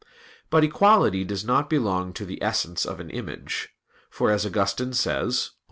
But equality does not belong to the essence of an image; for as Augustine says (QQ.